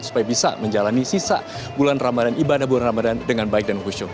supaya bisa menjalani sisa bulan ramadan ibadah bulan ramadan dengan baik dan khusyuk